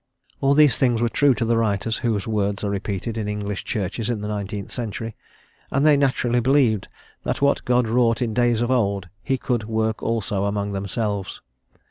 All these things were true to the writers whose words are repeated in English churches in the nineteenth century, and they naturally believed that what God wrought in days of old he could work also among themselves.